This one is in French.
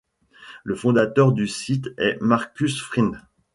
Le fondateur du site est Markus Frind.